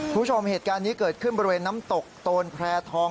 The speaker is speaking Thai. คุณผู้ชมเหตุการณ์นี้เกิดขึ้นบริเวณน้ำตกโตนแพร่ทอง